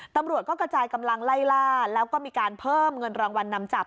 ตำรวจก็กระจายกำลังไล่ล่าแล้วก็มีการเพิ่มเงินรางวัลนำจับ